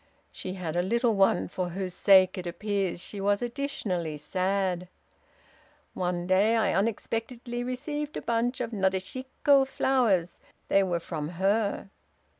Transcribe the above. She had a little one for whose sake, it appears, she was additionally sad. One day I unexpectedly received a bunch of Nadeshiko flowers. They were from her."